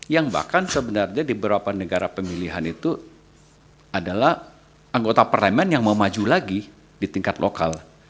yang bahkan sebenarnya di beberapa negara pemilihan itu adalah anggota parlemen yang mau maju lagi di tingkat lokal